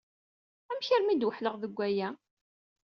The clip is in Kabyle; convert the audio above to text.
Amek armi i d-weḥleɣ deg waya?